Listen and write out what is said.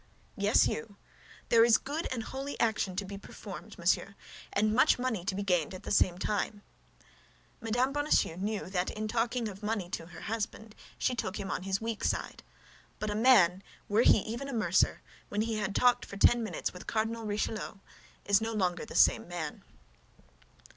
"Yes, you. There is good and holy action to be performed, monsieur, and much money to be gained at the same time." Mme. Bonacieux knew that in talking of money to her husband, she took him on his weak side. But a man, were he even a mercer, when he had talked for ten minutes with Cardinal Richelieu, is no longer the same man.